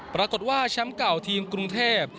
ปรากฏว่าแชมป์เก่าทีมกรุงเทพ